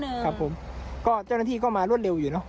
หนึ่งเก้าหนึ่งครับผมก็เจ้าหน้าที่ก็มารวดเร็วอยู่เนอะ